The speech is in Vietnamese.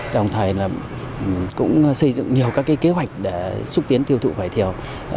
đồng thời cũng xây dựng nhiều các kế hoạch để xúc tiến tiêu thụ vải thiều